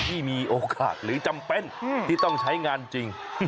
ที่มีโอกาสหรือจำเป็นที่ต้องใช้งานจริง